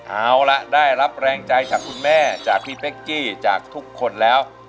เอาล่ะได้รับแรงใจจากคุณแม่จากพี่เป๊กกี้จากทุกคนแล้ว